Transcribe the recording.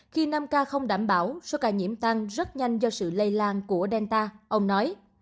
khi năm ca không đảm bảo số ca nhiễm tăng rất nhanh do sự lây lan của delta ông nói